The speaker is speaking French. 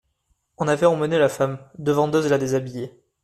On avait emmené la femme, deux vendeuses la déshabillaient.